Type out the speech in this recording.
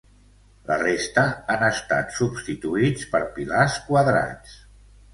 La resta han estat substituïts per pilars quadrats.